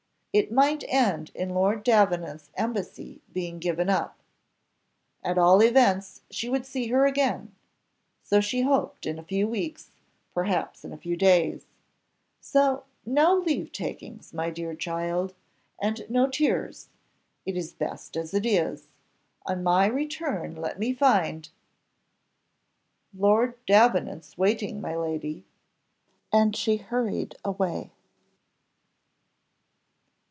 It might end in Lord Davenant's embassy being given up. At all events she would see her again she hoped in a few weeks, perhaps in a few days. "So no leave takings, my dear child, and no tears it is best as it is. On my return let me find " "Lord Davenant's waiting, my lady," and she hurried away.